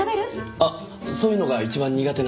あっそういうのが一番苦手なんです。